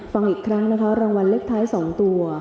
ฟังอีกครั้งนะคะรางวัลเลขท้าย๒ตัว